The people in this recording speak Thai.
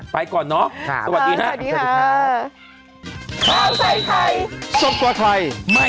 โปรดติดตามตอนต่อไป